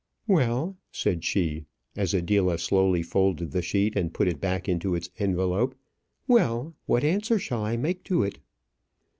"Well," said she, as Adela slowly folded the sheet and put it back into its envelope; "well; what answer shall I make to it?"